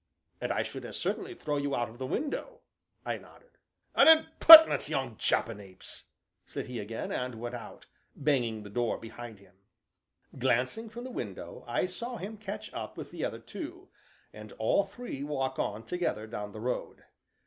"And I should as certainly throw you out of the window!" I nodded. "An impertinent young jackanapes!" said he again, and went out, banging the door behind him. Glancing from the window, I saw him catch up with the other two, and all three walk on together down the road.